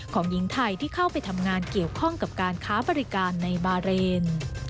ของหญิงไทยที่เข้าไปทำงานเกี่ยวข้องกับการค้าบริการในบาเรน